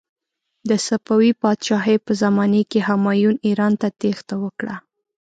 د صفوي پادشاهي په زمانې کې همایون ایران ته تیښته وکړه.